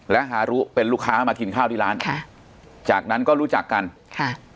และฮารุเป็นลูกค้ามากินข้าวที่ร้านค่ะจากนั้นก็รู้จักกันค่ะ